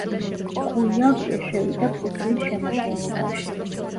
კუიავია შევიდა პრუსიის შემადგენლობაში.